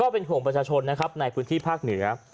เป็นห่วงประชาชนนะครับในพื้นที่ภาคเหนือ